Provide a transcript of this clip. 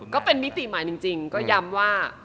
ก็เป็นมิติใหม่จริงก็ย้ำว่า